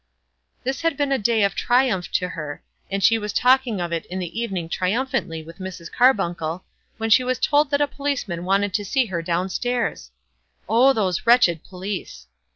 This had been a day of triumph to her, and she was talking of it in the evening triumphantly to Mrs. Carbuncle, when she was told that a policeman wanted to see her down stairs! Oh, those wretched police!